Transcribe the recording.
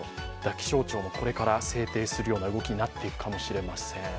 気象庁もこれから制定するような動きになっていくかもしれません。